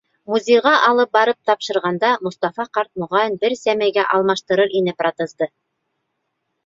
Музейға алып барып тапшырғанда, Мостафа ҡарт, моғайын, бер сәмәйгә алыштырыр ине протезды.